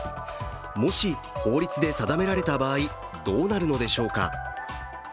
もし、法律で定められた場合どうなるのでしょうか。